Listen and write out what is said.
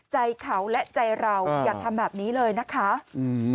ใจเขาและใจเราอย่าทำแบบนี้เลยนะคะอืม